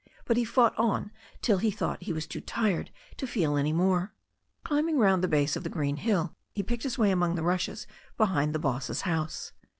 But he fought on till he thought he was too tired to fed any more. Climbing round the base of the green hill, he picked his way among the rushes behind the boss's house.